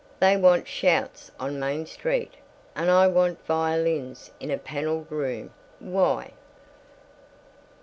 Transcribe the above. They want shouts on Main Street, and I want violins in a paneled room. Why